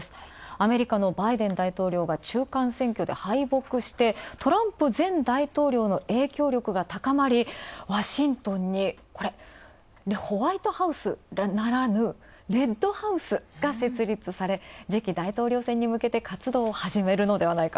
アメリカのバイデン大統領が中間選挙で敗北して、トランプ前大統領の影響力が高まりワシントンに、これ、ホワイトハウスならぬレッドハウスが設立され、次期大統領選にむけて活動を始めるのではないか。